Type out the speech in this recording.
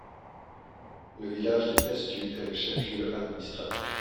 Le village de Paistu est le chef-lieu administratif.